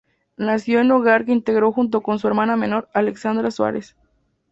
Nació en un hogar que integró junto con su hermana menor Alexandra Soares.